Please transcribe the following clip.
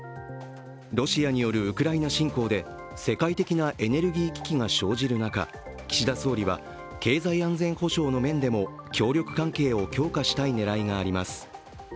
ロシアによるウクライナ侵攻で世界的なエネルギー危機が生じる中岸田総理は経済安全保障の面でも協力関係を強化したい狙いがあります。